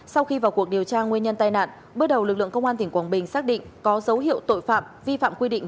tại nạn bước đầu lực lượng công an tỉnh quảng bình xác định có dấu hiệu tội phạm vi phạm quy định